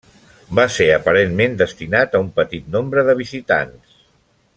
Va ser aparentment destinat a un petit nombre de visitants.